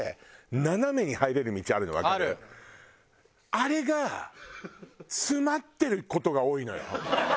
あれが詰まってる事が多いのよ。